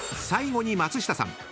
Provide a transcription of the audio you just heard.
［最後に松下さん